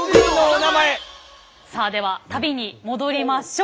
さあでは旅に戻りましょう。